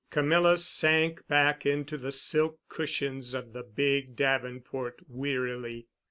Camilla sank back into the silk cushions of the big davenport wearily.